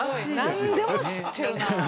何でも知ってるなぁ。